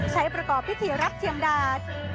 ใช้ประกอบทิศรัพย์เทียมดา